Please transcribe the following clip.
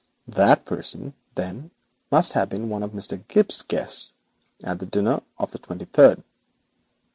That person, then, must have been one of Mr. Gibbes's guests at the dinner of the twenty third.